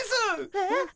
えっ？